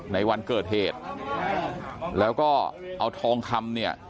ในวันเกิดเหตุแล้วก็เอาทองคำเนี่ย